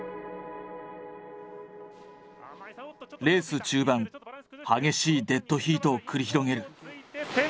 レース中盤激しいデッドヒートを繰り広げる。